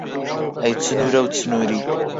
ئەی چنوورە و چنووری